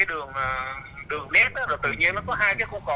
rồi tự nhiên nó có hai cái khu cò